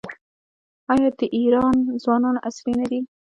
آیا د ایران ځوانان عصري نه دي؟